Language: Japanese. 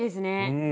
うん。